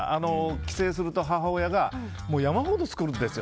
帰省すると母親が山ほど作るんですよ。